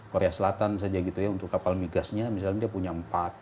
korea selatan saja gitu ya untuk kapal migasnya misalnya dia punya empat